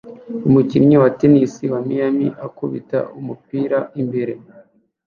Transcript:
Umukinnyi wa tennis wa Miami akubita umupira imbere